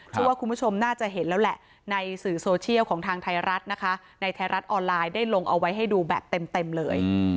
เพราะว่าคุณผู้ชมน่าจะเห็นแล้วแหละในสื่อโซเชียลของทางไทยรัฐนะคะในไทยรัฐออนไลน์ได้ลงเอาไว้ให้ดูแบบเต็มเลย